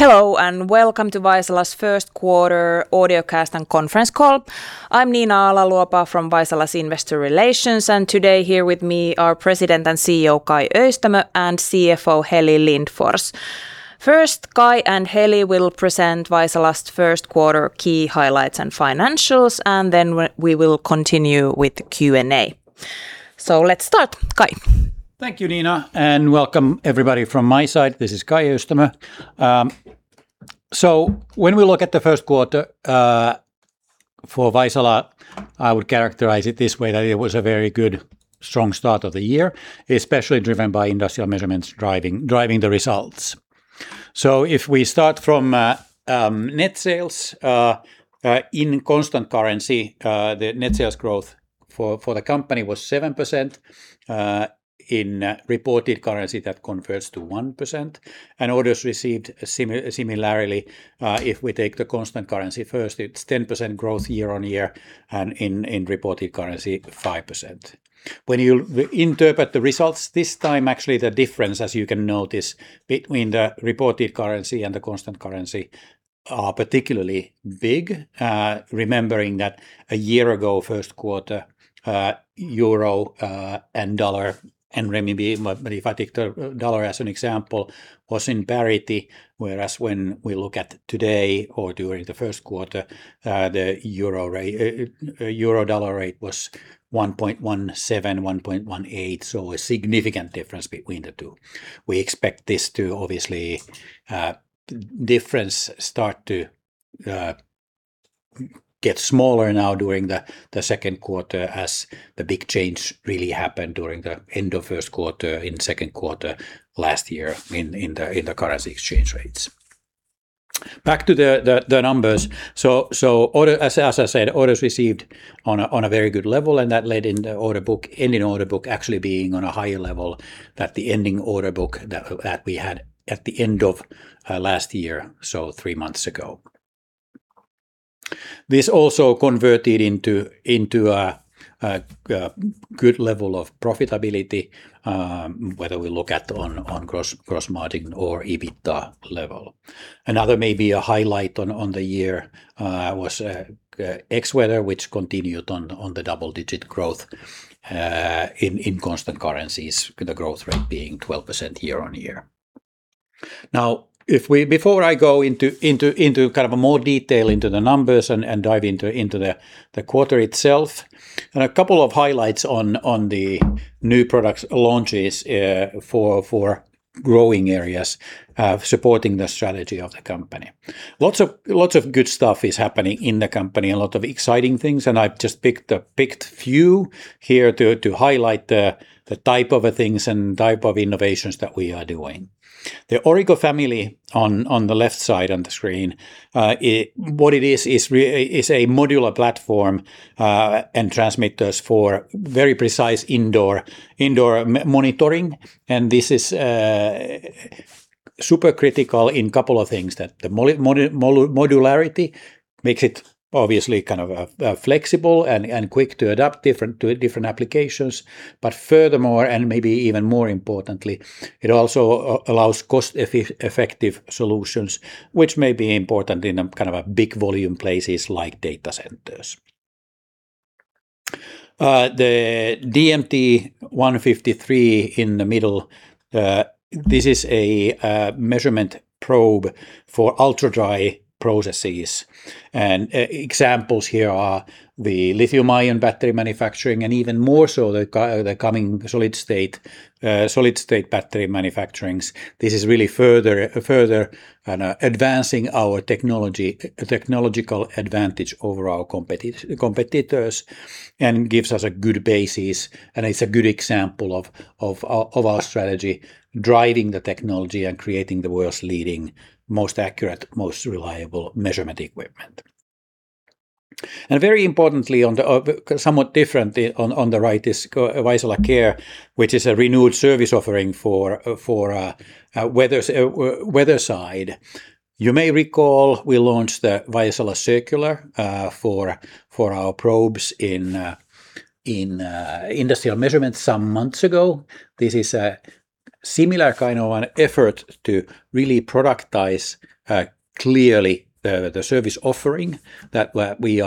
Hello, and welcome to Vaisala's first quarter audiocast and conference call. I'm Niina Ala-Luopa from Vaisala's Investor Relations, and today here with me are President and CEO, Kai Öistämö, and CFO, Heli Lindfors. First, Kai and Heli will present Vaisala's first quarter key highlights and financials, and then we will continue with the Q&A. Let's start. Kai. Thank you, Niina, and welcome everybody from my side. This is Kai Öistämö. When we look at the first quarter for Vaisala, I would characterize it this way, that it was a very good, strong start of the year, especially driven by Industrial Measurements driving the results. If we start from net sales. In constant currency, the net sales growth for the company was 7%. In reported currency, that converts to 1%. Orders received similarly, if we take the constant currency first, it's 10% growth year-over-year, and in reported currency, 5%. When you interpret the results this time, actually the difference, as you can notice, between the reported currency and the constant currency are particularly big, remembering that a year ago, first quarter, euro and dollar and renminbi, but if I take the dollar as an example, was in parity, whereas when we look at today or during the first quarter, the euro/dollar rate was 1.17, 1.18, so a significant difference between the two. We expect this difference start to get smaller now during the second quarter as the big change really happened during the end of first quarter, in second quarter last year in the currency exchange rates. Back to the numbers. As I said, orders received on a very good level, and that led to the ending order book actually being on a higher level than the ending order book that we had at the end of last year, so three months ago. This also converted into a good level of profitability, whether we look at gross margin or EBITDA level. Another maybe a highlight on the year was Xweather, which continued on the double-digit growth in constant currencies, with the growth rate being 12% year-over-year. Now, before I go into more detail into the numbers and dive into the quarter itself, and a couple of highlights on the new product launches for growing areas, supporting the strategy of the company. Lots of good stuff is happening in the company, a lot of exciting things, and I've just picked few here to highlight the type of things and type of innovations that we are doing. The Origo family on the left side on the screen. What it is a modular platform, and transmitters for very precise indoor monitoring. This is super critical in couple of things. That the modularity makes it obviously kind of flexible and quick to adapt to different applications. Furthermore, and maybe even more importantly, it also allows cost-effective solutions, which may be important in a big volume places like data centers. The DMT153 in the middle. This is a measurement probe for ultra-dry processes. Examples here are the lithium-ion battery manufacturing and even more so the coming solid-state battery manufacturings. This is really further advancing our technological advantage over our competitors and gives us a good basis, and it's a good example of our strategy, driving the technology and creating the world's leading, most accurate, most reliable measurement equipment. Very importantly, somewhat different, on the right is Vaisala Care, which is a renewed service offering for weather side. You may recall, we launched the Vaisala Circular for our probes in Industrial Measurements some months ago. This is a similar kind of an effort to really productize clearly the service offering that we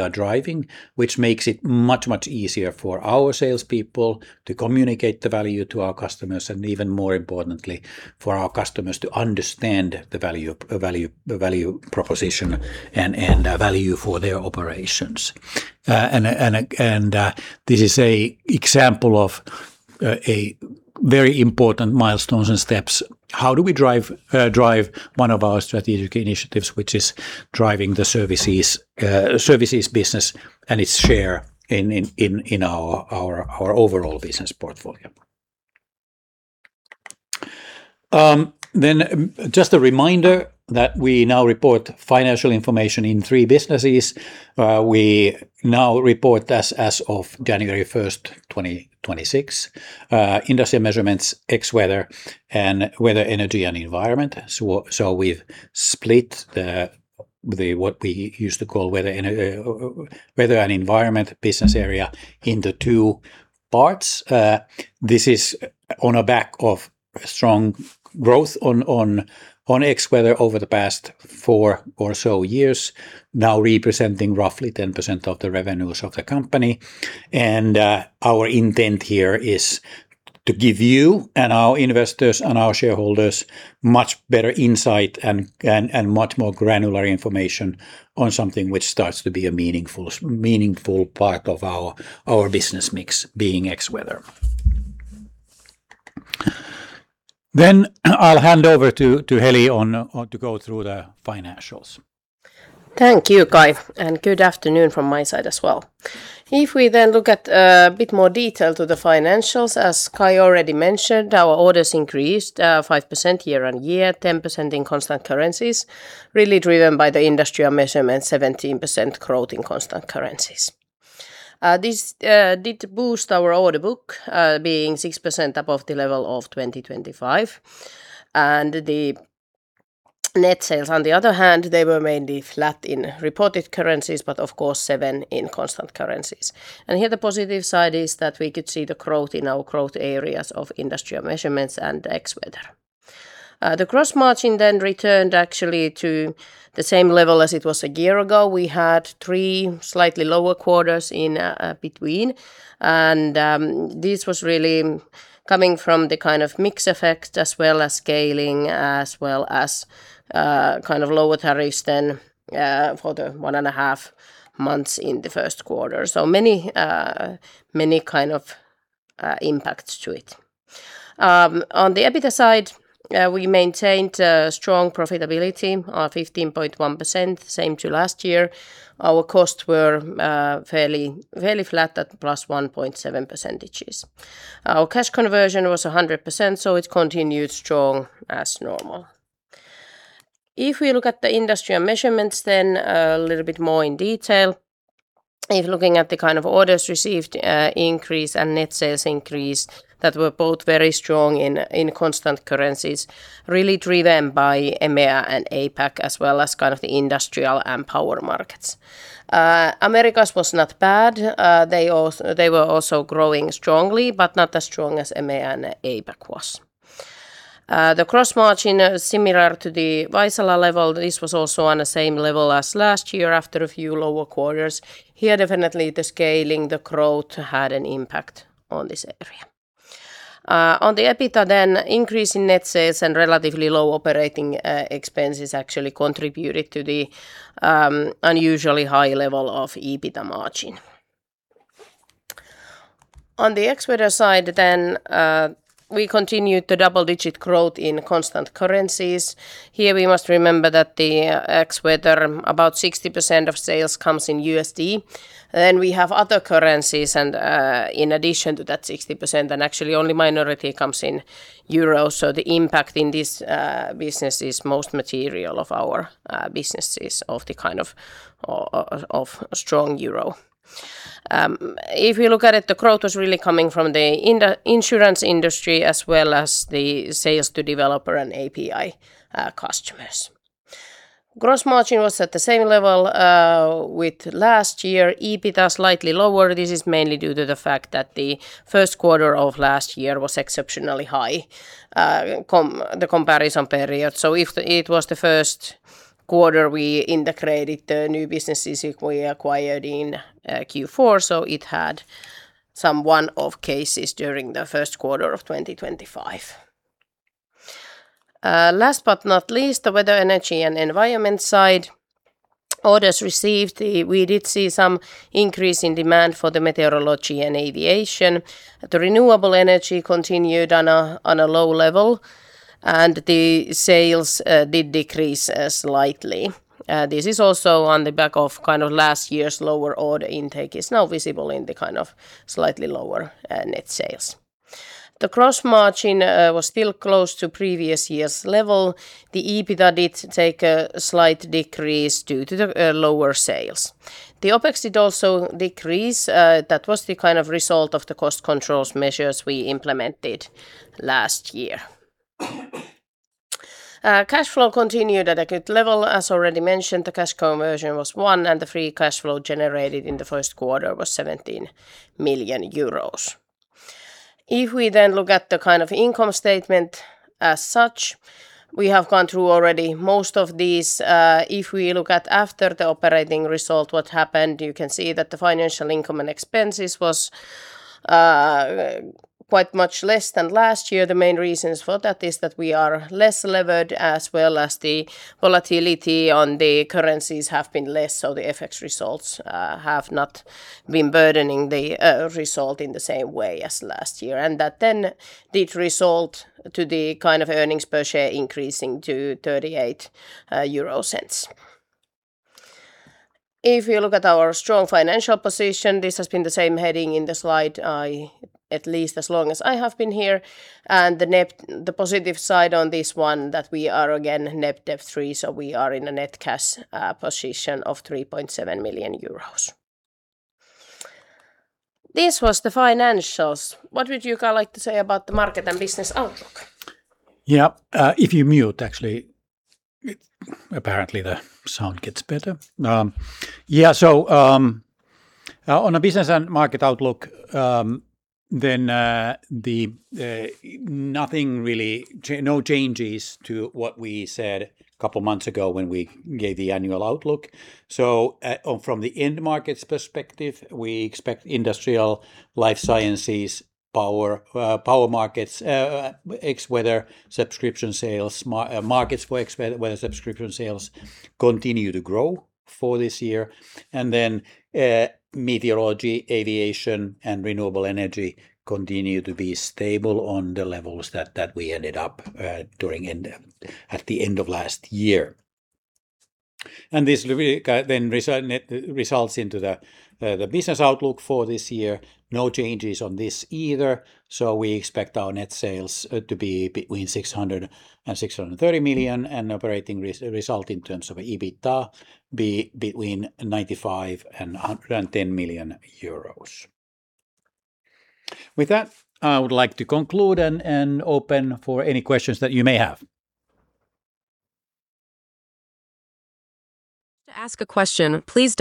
are driving, which makes it much, much easier for our sales people to communicate the value to our customers, and even more importantly, for our customers to understand the value proposition and value for their operations. This is an example of very important milestones and steps. How do we drive one of our strategic initiatives, which is driving the services business and its share in our overall business portfolio? Just a reminder that we now report financial information in three businesses. We now report as of January 1st, 2026, Industrial Measurements, Xweather, and Weather, Energy, and Environment. We've split what we used to call Weather and Environment business area into two parts. This is on the back of strong growth on Xweather over the past four or so years, now representing roughly 10% of the revenues of the company. Our intent here is to give you and our investors and our shareholders much better insight and much more granular information on something which starts to be a meaningful part of our business mix being Xweather. I'll hand over to Heli to go through the financials. Thank you, Kai, and good afternoon from my side as well. If we then look at a bit more detail to the financials, as Kai already mentioned, our orders increased 5% year-on-year, 10% in constant currencies, really driven by the Industrial Measurements, 17% growth in constant currencies. This did boost our order book being 6% above the level of 2025. The net sales, on the other hand, they were mainly flat in reported currencies, but of course, 7% in constant currencies. Here the positive side is that we could see the growth in our growth areas of Industrial Measurements and Xweather. The gross margin then returned actually to the same level as it was a year ago. We had three slightly lower quarters in between. This was really coming from the kind of mix effect as well as scaling, as well as kind of lower tariffs then for the one and a half months in the first quarter. Many kind of impacts to it. On the EBITDA side, we maintained strong profitability of 15.1%, the same as last year. Our costs were fairly flat at +1.7%. Our cash conversion was 100%, so it continued strong as normal. If we look at the Industrial Measurements then a little bit more in detail. If looking at the kind of orders received increase and net sales increase, that were both very strong in constant currencies, really driven by EMEA and APAC, as well as kind of the industrial and power markets. Americas was not bad. They were also growing strongly, but not as strong as EMEA and APAC was. The gross margin, similar to the Vaisala level, this was also on the same level as last year after a few lower quarters. Here definitely the scaling the growth had an impact on this area. On the EBITDA then, increase in net sales and relatively low operating expenses actually contributed to the unusually high level of EBITDA margin. On the Xweather side then, we continued the double-digit growth in constant currencies. Here we must remember that the Xweather, about 60% of sales comes in USD. We have other currencies and, in addition to that 60%, and actually only minority comes in euros. The impact in this business is most material of our businesses of the kind of strong euro. If we look at it, the growth was really coming from the insurance industry as well as the sales to developer and API customers. Gross margin was at the same level with last year. EBITDA slightly lower. This is mainly due to the fact that the first quarter of last year was exceptionally high, the comparison period. It was the first quarter we integrated the new businesses we acquired in Q4, so it had some one-off cases during the first quarter of 2025. Last but not least, the Weather, Energy, and Environment side. Orders received, we did see some increase in demand for the meteorology and aviation. The renewable energy continued on a low level, and the sales did decrease slightly. This is also on the back of kind of last year's lower order intake is now visible in the kind of slightly lower net sales. The gross margin was still close to previous year's level. The EBITDA did take a slight decrease due to the lower sales. The OpEx did also decrease. That was the kind of result of the cost controls measures we implemented last year. Cash flow continued at a good level. As already mentioned, the cash conversion was 1, and the free cash flow generated in the first quarter was 17 million euros. If we then look at the kind of income statement as such, we have gone through already most of these. If we look at after the operating result, what happened, you can see that the financial income and expenses was quite much less than last year. The main reasons for that is that we are less levered, as well as the volatility on the currencies have been less, so the FX results have not been burdening the result in the same way as last year. That then did result to the kind of earnings per share increasing to 0.38. If you look at our strong financial position, this has been the same heading in the slide at least as long as I have been here. The positive side on this one that we are again net debt-free, so we are in a net cash position of 3.7 million euros. This was the financials. What would you like to say about the market and business outlook? Yeah. If you mute, actually, apparently the sound gets better. Yeah. On a business and market outlook, then nothing really, no changes to what we said a couple of months ago when we gave the annual outlook. From the end markets perspective, we expect industrial life sciences, power markets, ex-weather subscription sales, markets for ex-weather subscription sales continue to grow for this year. Meteorology, aviation, and renewable energy continue to be stable on the levels that we ended up at the end of last year. This then results into the business outlook for this year. No changes on this either. We expect our net sales to be between 600 million and 630 million, and operating result in terms of EBITDA be between 95 million euros and 110 million euros. With that, I would like to conclude and open for any questions that you may have. The next question comes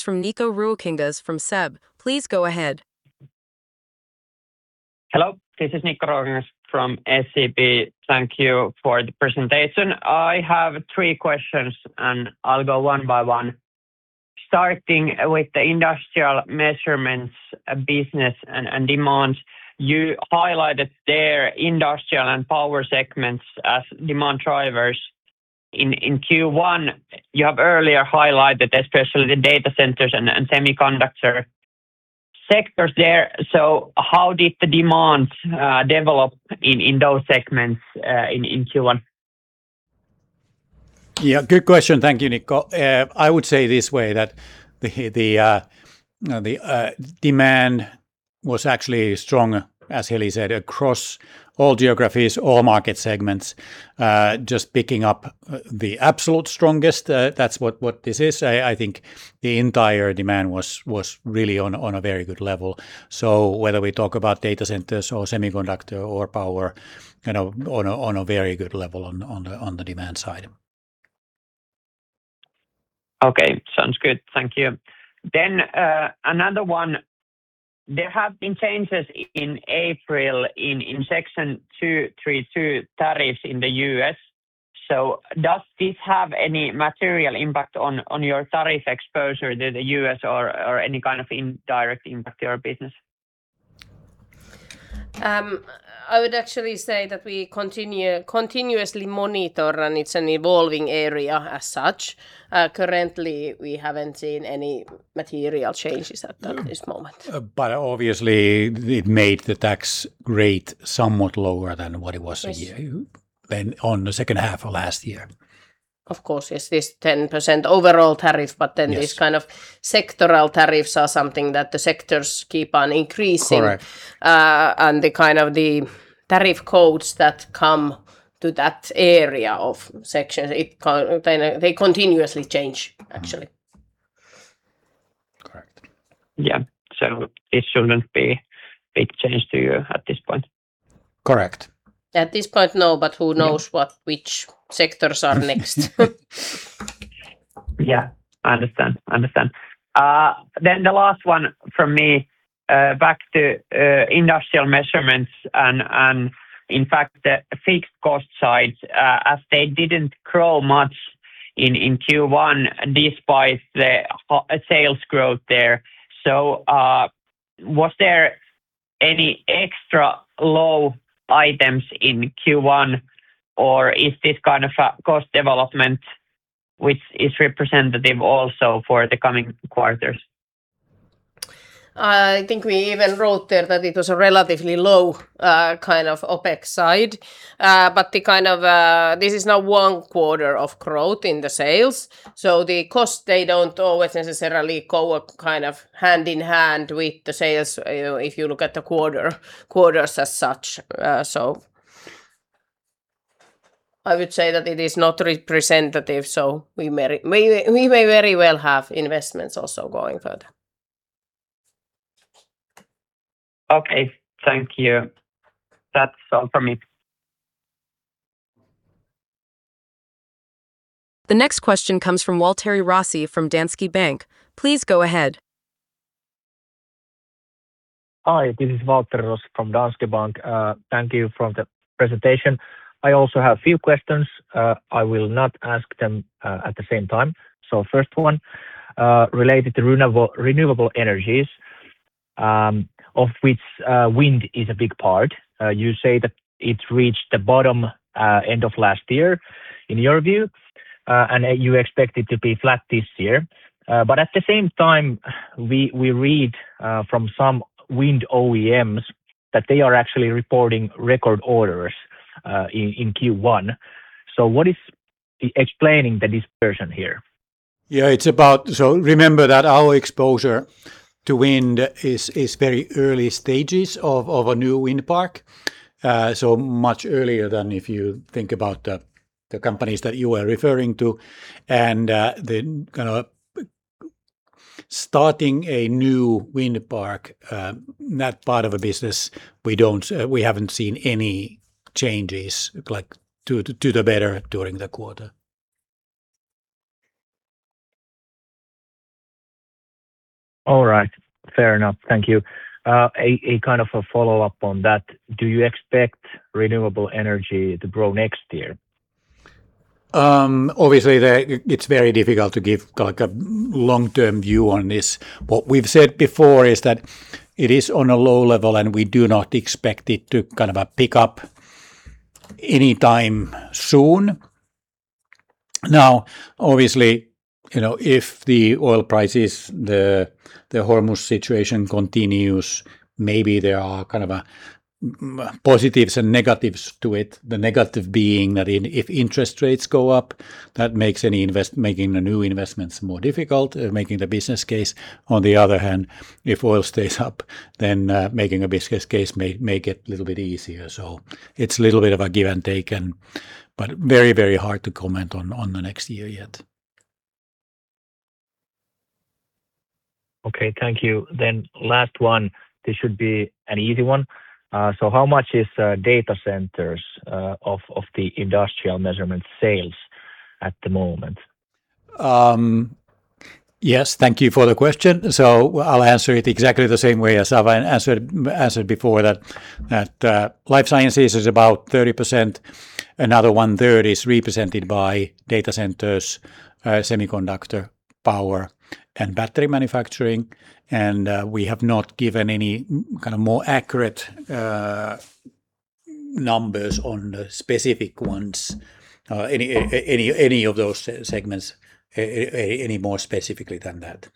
from Nikko Ruokangas from SEB. Please go ahead. Hello, this is Nikko Ruokangas from SEB. Thank you for the presentation. I have three questions, and I'll go one by one. Starting with the Industrial Measurements business and demands. You highlighted their industrial and power segments as demand drivers. In Q1, you have earlier highlighted especially the data centers and semiconductor sectors there. How did the demand develop in those segments in Q1? Yeah, good question. Thank you, Nikko. I would say this way, that the demand was actually strong, as Heli said, across all geographies, all market segments. Just picking up the absolute strongest, that's what this is. I think the entire demand was really on a very good level. Whether we talk about data centers or semiconductor or power, on a very good level on the demand side. Okay, sounds good. Thank you. Another one. There have been changes in April in Section 232 tariffs in the U.S. Does this have any material impact on your tariff exposure to the U.S. or any kind of indirect impact to your business? I would actually say that we continuously monitor, and it's an evolving area as such. Currently, we haven't seen any material changes at this moment. Obviously, it made the tax rate somewhat lower than what it was a year- Yes on the second half of last year. Of course, yes, this 10% overall tariff. Yes These kind of sectoral tariffs are something that the sectors keep on increasing. Correct. The kind of tariff codes that come to that area of sections, they continuously change, actually. Correct. Yeah. This shouldn't be a big change to you at this point. Correct. At this point, no. Who knows which sectors are next. Yeah. I understand. The last one from me, back to Industrial Measurements and in fact, the fixed cost side, as they didn't grow much in Q1 despite the sales growth there. Was there any extra-low items in Q1 or is this kind of a cost development which is representative also for the coming quarters? I think we even wrote there that it was a relatively low kind of OpEx side. This is now one quarter of growth in the sales. The cost, they don't always necessarily go kind of hand in hand with the sales if you look at the quarters as such. I would say that it is not representative, so we may very well have investments also going further. Okay. Thank you. That's all from me. The next question comes from Waltteri Rossi from Danske Bank. Please go ahead. Hi, this is Waltteri Rossi from Danske Bank. Thank you for the presentation. I also have a few questions. I will not ask them at the same time. First one, related to renewable energies, of which wind is a big part. You say that it reached the bottom end of last year in your view, and you expect it to be flat this year. At the same time, we read from some wind OEMs that they are actually reporting record orders in Q1. What is explaining the dispersion here? Yeah. Remember that our exposure to wind is very early stages of a new wind park, so much earlier than if you think about the companies that you were referring to, and starting a new wind park, that part of a business, we haven't seen any changes for the better during the quarter. All right. Fair enough. Thank you. A follow-up on that, do you expect renewable energy to grow next year? Obviously, it's very difficult to give a long-term view on this. What we've said before is that it is on a low level, and we do not expect it to pick up anytime soon. Now, obviously, if the oil prices, the Hormuz situation continues, maybe there are positives and negatives to it. The negative being that if interest rates go up, that makes making the new investments more difficult, making the business case. On the other hand, if oil stays up, then making a business case may make it a little bit easier. It's a little bit of a give and take, but very hard to comment on the next year yet. Okay, thank you. Last one. This should be an easy one. How much is data centers of the Industrial Measurements sales at the moment? Yes, thank you for the question. I'll answer it exactly the same way as I've answered before that life sciences is about 30%. Another one-third is represented by data centers, semiconductor, power, and battery manufacturing. We have not given any more accurate numbers on the specific ones, any of those segments, any more specifically than that.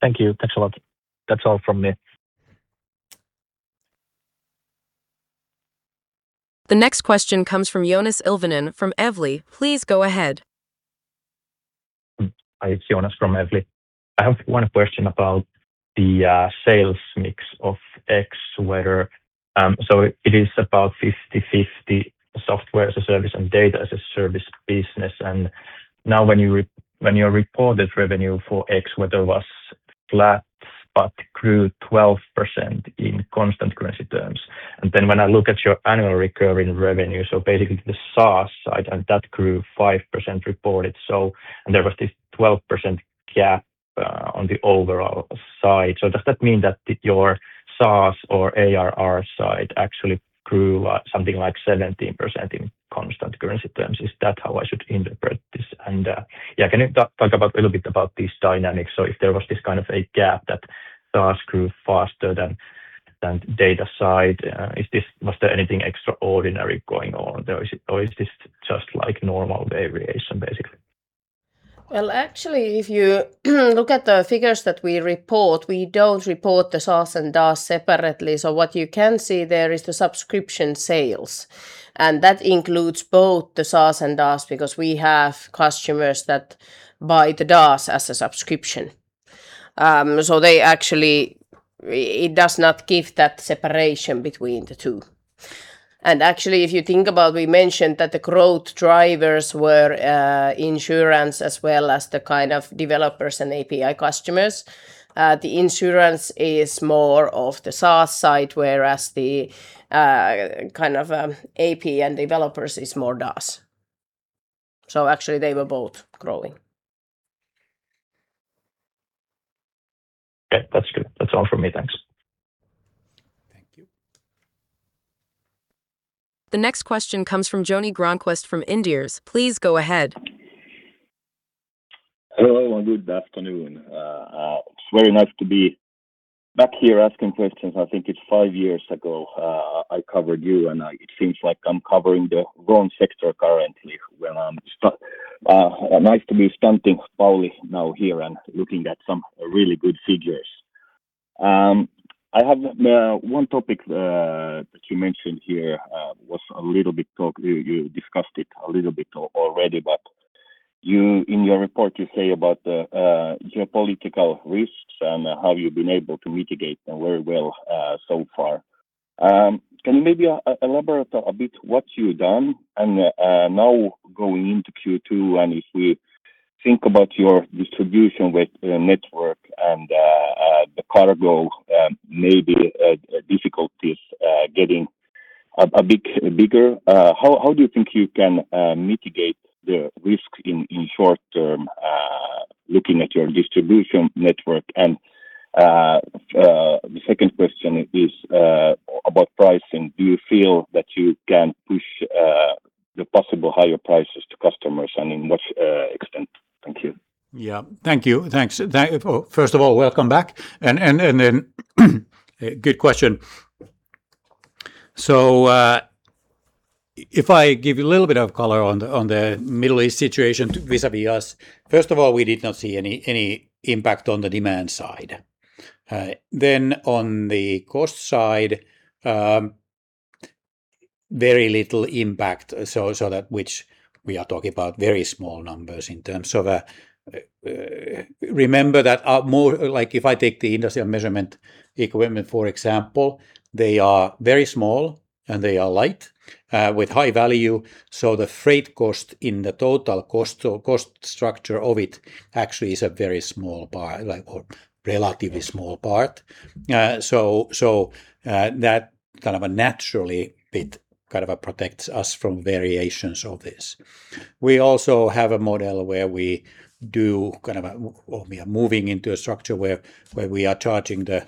Thank you. Thanks a lot. That's all from me. The next question comes from Joonas Ilvonen from Evli. Please go ahead. Hi, it's Joonas from Evli. I have one question about the sales mix of Xweather. It is about 50/50 software as a service and data as a service business. Now when your reported revenue for Xweather was flat but grew 12% in constant currency terms. Then when I look at your annual recurring revenue, so basically the SaaS side, and that grew 5% reported. There was this 12% gap on the overall side. Does that mean that your SaaS or ARR side actually grew something like 17% in constant currency terms? Is that how I should interpret this? Can you talk a little bit about these dynamics? If there was this kind of a gap that SaaS grew faster than data side, was there anything extraordinary going on there? Or is this just normal variation, basically? Well, actually, if you look at the figures that we report, we don't report the SaaS and DaaS separately. What you can see there is the subscription sales, and that includes both the SaaS and DaaS because we have customers that buy the DaaS as a subscription. It does not give that separation between the two. Actually, if you think about, we mentioned that the growth drivers were insurance as well as the kind of developers and API customers. The insurance is more of the SaaS side, whereas the kind of API and developers is more DaaS. Actually, they were both growing. Okay, that's good. That's all from me. Thanks. Thank you. The next question comes from Joni Grönqvist from Inderes. Please go ahead. Hello, good afternoon. It's very nice to be back here asking questions. I think it's five years ago I covered you, and it seems like I'm covering the wrong sector currently. Well, nice to be [constructive police] now here and looking at some really good figures. I have one topic that you mentioned here. You discussed it a little bit already, but in your report, you say about the geopolitical risks and how you've been able to mitigate them very well so far. Can you maybe elaborate a bit what you've done? Now going into Q2, and if we think about your distribution network and the cargo, maybe difficulties getting a bit bigger, how do you think you can mitigate the risk in short term looking at your distribution network? The second question is about pricing. Do you feel that you can push the possible higher prices to customers and in what extent? Thank you. Yeah. Thank you. First of all, welcome back, and good question. If I give you a little bit of color on the Middle East situation vis-à-vis us, first of all, we did not see any impact on the demand side. On the cost side, very little impact. We are talking about very small numbers. Remember that if I take the industrial measurement equipment, for example, they are very small and they are light with high value, so the freight cost in the total cost structure of it actually is a very small part, or relatively small part. That naturally protects us from variations of this. We also have a model where we are moving into a structure where we are charging the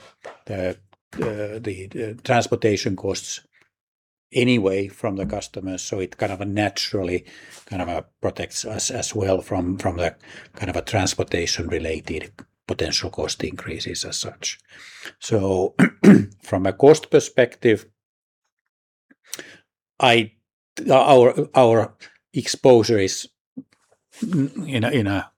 transportation costs anyway from the customers, so it naturally protects us as well from the transportation-related potential cost increases as such. From a cost perspective, our exposure is in a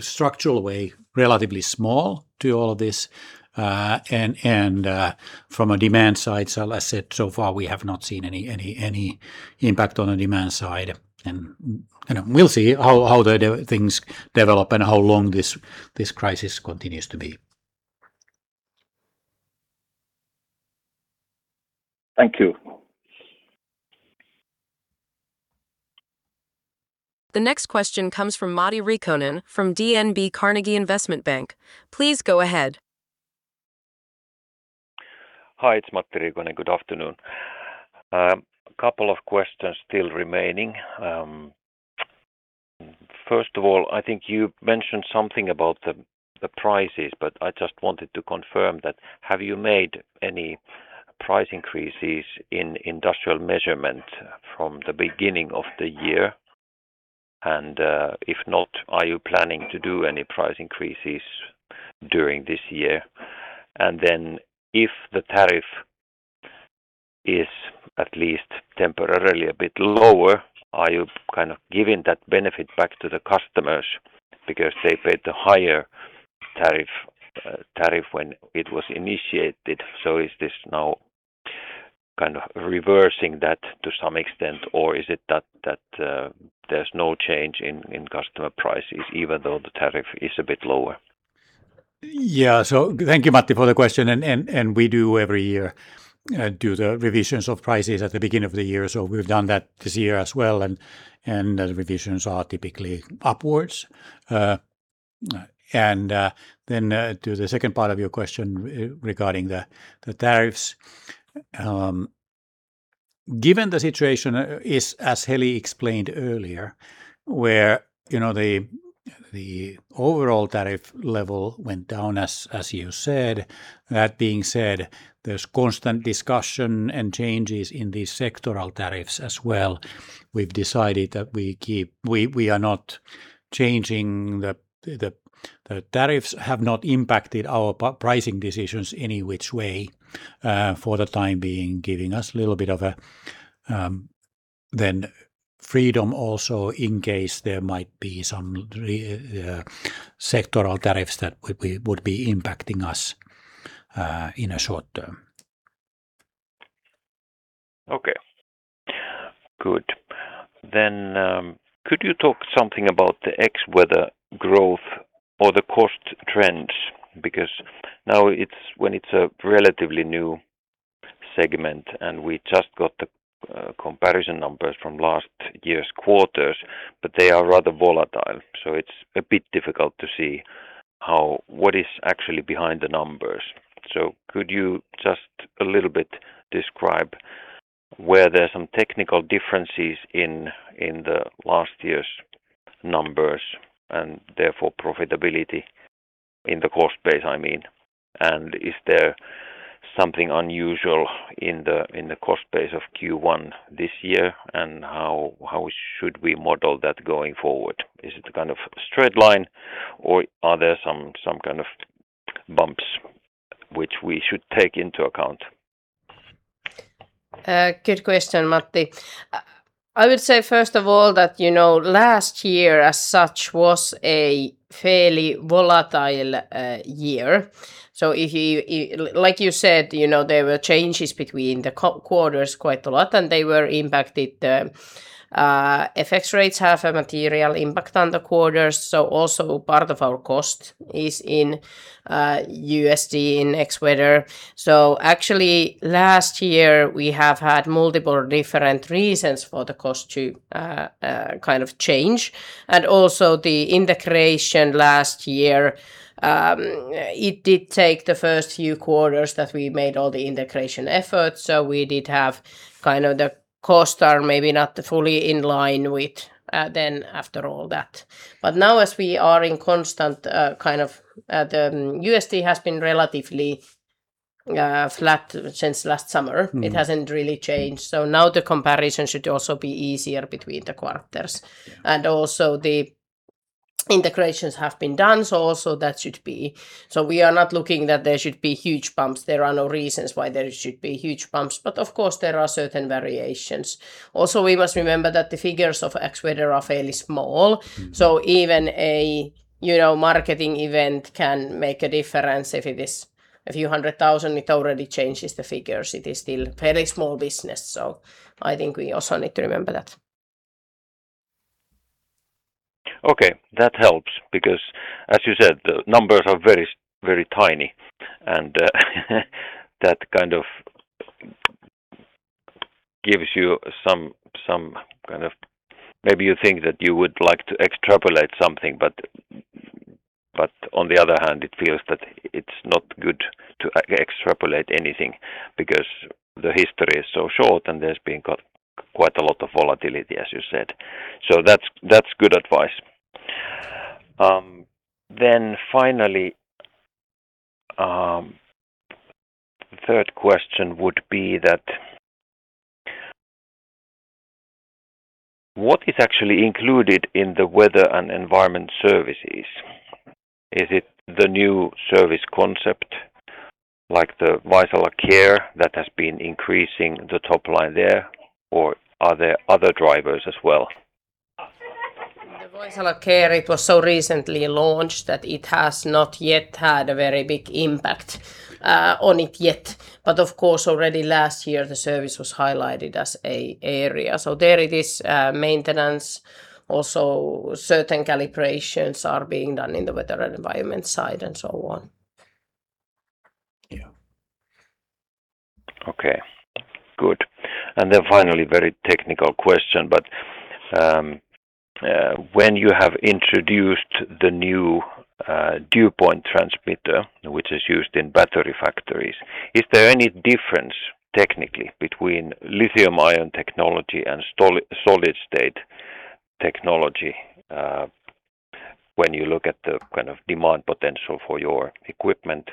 structural way, relatively small to all of this. From a demand side, as I said, so far, we have not seen any impact on the demand side. We'll see how the things develop and how long this crisis continues to be. Thank you. The next question comes from Matti Riikonen from DNB Carnegie Investment Bank. Please go ahead. Hi, it's Matti Riikonen. Good afternoon. A couple of questions still remaining. First of all, I think you mentioned something about the prices, but I just wanted to confirm that have you made any price increases in Industrial Measurements from the beginning of the year? If not, are you planning to do any price increases during this year? If the tariff is at least temporarily a bit lower, are you giving that benefit back to the customers because they paid the higher tariff when it was initiated? Is this now reversing that to some extent, or is it that there's no change in customer prices even though the tariff is a bit lower? Yeah. Thank you, Matti, for the question, and we do every year do the revisions of prices at the beginning of the year. We've done that this year as well and the revisions are typically upwards. Then to the second part of your question regarding the tariffs. Given the situation is, as Heli explained earlier, where the overall tariff level went down as you said. That being said, there's constant discussion and changes in the sectoral tariffs as well. We've decided that the tariffs have not impacted our pricing decisions any which way for the time being, giving us a little bit of freedom also in case there might be some sectoral tariffs that would be impacting us in a short term. Okay, good. Could you talk something about the Xweather growth or the cost trends? Because now when it's a relatively new segment and we just got the comparison numbers from last year's quarters, but they are rather volatile, so it's a bit difficult to see what is actually behind the numbers. Could you just a little bit describe where there's some technical differences in the last year's numbers and therefore profitability in the cost base? Is there something unusual in the cost base of Q1 this year, and how should we model that going forward? Is it a kind of straight line or are there some kind of bumps which we should take into account? Good question, Matti. I would say, first of all, that last year as such was a fairly volatile year. Like you said, there were changes between the quarters quite a lot, and FX rates have a material impact on the quarters. Also part of our cost is in USD in Xweather. Actually, last year, we have had multiple different reasons for the cost to change. Also the integration last year, it did take the first few quarters that we made all the integration efforts, so we did have the costs are maybe not fully in line with then after all that. Now as we are in constant, the USD has been relatively flat since last summer. It hasn't really changed, so now the comparison should also be easier between the quarters. Also the integrations have been done, so we are not looking that there should be huge bumps. There are no reasons why there should be huge bumps, but of course, there are certain variations. Also, we must remember that the figures of Xweather are fairly small, so even a marketing event can make a difference. If it is a few hundred thousand, it already changes the figures. It is still fairly small business, so I think we also need to remember that. Okay. That helps because as you said, the numbers are very tiny, and that gives you some. Maybe you think that you would like to extrapolate something, but on the other hand, it feels that it's not good to extrapolate anything because the history is so short, and there's been quite a lot of volatility, as you said. That's good advice. Finally, third question would be that, what is actually included in the Weather and Environment services? Is it the new service concept like the Vaisala Care that has been increasing the top line there, or are there other drivers as well? The Vaisala Care, it was so recently launched that it has not yet had a very big impact on it yet. Of course, already last year, the service was highlighted as an area. There it is maintenance, also certain calibrations are being done in the weather and environment side, and so on. Yeah. Okay, good. Finally, very technical question, but when you have introduced the new dew point transmitter, which is used in battery factories, is there any difference technically between lithium-ion technology and solid-state technology when you look at the kind of demand potential for your equipment,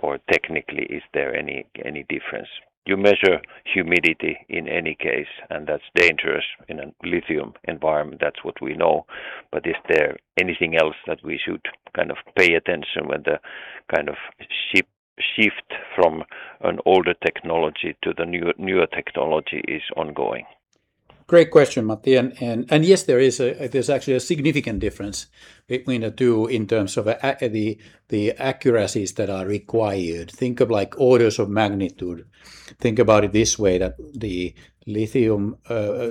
or technically, is there any difference? You measure humidity in any case, and that's dangerous in a lithium environment. That's what we know, but is there anything else that we should pay attention when the kind of shift from an older technology to the newer technology is ongoing? Great question, Matti. Yes, there's actually a significant difference between the two in terms of the accuracies that are required. Think of orders of magnitude. Think about it this way, that the lithium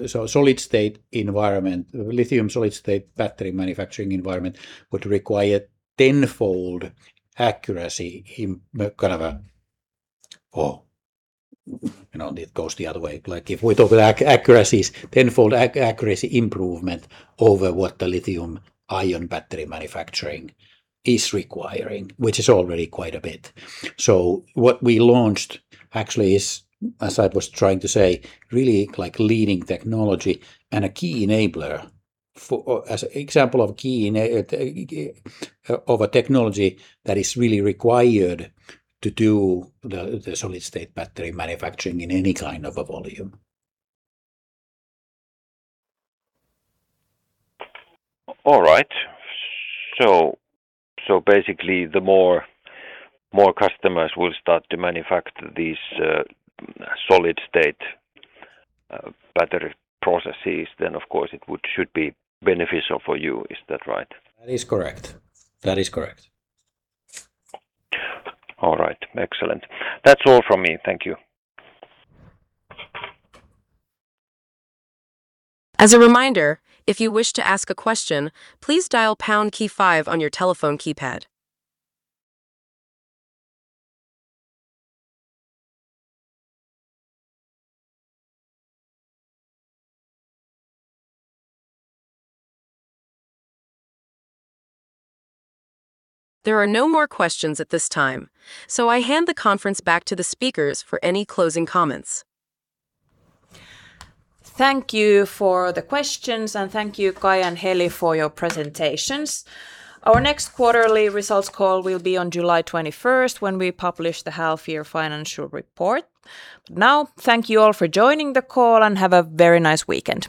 solid-state environment, lithium solid-state battery manufacturing environment would require tenfold accuracy. It goes the other way. If we talk accuracies, tenfold accuracy improvement over what the lithium-ion battery manufacturing is requiring, which is already quite a bit. What we launched actually is, as I was trying to say, really leading technology and a key enabler for, as an example of a technology that is really required to do the solid-state battery manufacturing in any kind of a volume. All right. Basically, the more customers will start to manufacture these solid-state battery processes, then, of course, it should be beneficial for you. Is that right? That is correct. All right. Excellent. That's all from me. Thank you. As a reminder, if you wish to ask a question, please dial pound key five on your telephone keypad. There are no more questions at this time, so I hand the conference back to the speakers for any closing comments. Thank you for the questions, and thank you, Kai and Heli, for your presentations. Our next quarterly results call will be on July 21st when we publish the half-year financial report. Now, thank you all for joining the call, and have a very nice weekend.